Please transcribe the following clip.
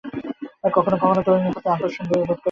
কখনো কোনো তরুণীর প্রতি আকর্ষণ বোধ করেন নি?